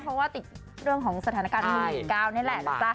เพราะว่าติดเรื่องของสถานการณ์โควิด๑๙นี่แหละนะจ๊ะ